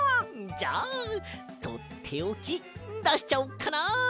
じゃあとっておきだしちゃおっかな。